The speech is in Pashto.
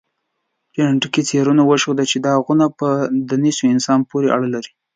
جنټیکي څېړنو وښوده، چې دا نوعه په دنیسووا انسان پورې اړه لري.